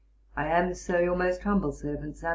I am, Sir, Your most humble servant, SAM.